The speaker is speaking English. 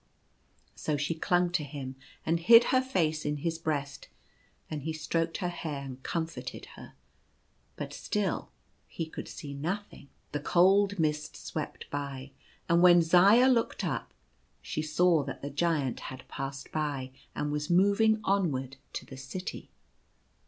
So she clung to him, and hid her face in his breast ; and he stroked her hair and comforted her. But still he could see nothing. The cold mist swept by, and when Zaya looked up, she saw that the Giant had passed by, and was moving onward to the city.